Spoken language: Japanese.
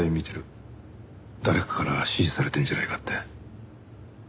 誰かから指示されてるんじゃないかって。